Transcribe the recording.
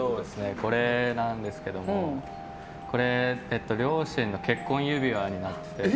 これなんですけども両親の結婚指輪なんです